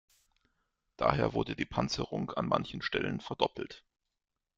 Daher wurde die Panzerung an manchen Stellen verdoppelt.